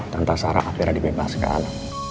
tante sarah akhirnya dibebaskan